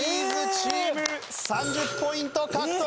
チーム３０ポイント獲得！